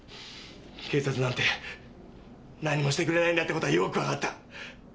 警察なんて何もしてくれないんだって事はよーくわかった。